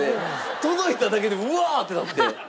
届いただけで「うわ！」ってなって。